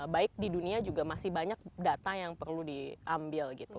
baik di dunia juga masih banyak data yang perlu diambil gitu